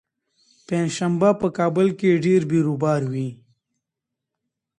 پنجشنبه په کابل کې ډېر بېروبار وي.